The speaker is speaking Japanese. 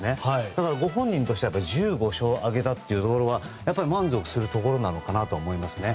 だから、ご本人としては１５勝を挙げたというところが満足するところなのかなと思いますね。